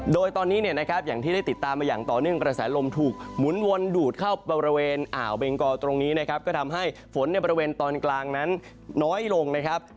โดยตอนนี้เนี่ยนะครับอย่างที่ได้ติดตามมาอย่างต่อเนื่องกระแสลมถูกหมุนวนดูดเข้าบริเวณอ่าวเบงกอตรงนี้นะครับก็ทำให้ฝนในบริเวณตอนกลางนั้นน้อยลงนะครับ